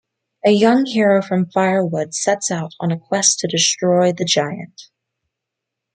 A young hero from Firewood sets out on a quest to destroy the giant.